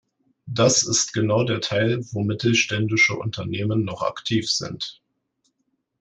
Das ist genau der Teil, wo mittelständische Unternehmen noch aktiv sind.